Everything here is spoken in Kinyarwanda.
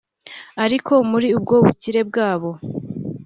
Ariko muri ubwo bukire bwabo